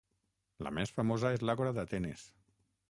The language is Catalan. La més famosa és l'àgora d'Atenes.